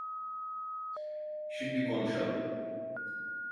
Şimdi konuşalım.